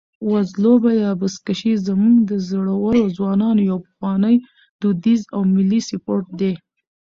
وزلوبه یا بزکشي زموږ د زړورو ځوانانو یو پخوانی، دودیز او ملي سپورټ دی.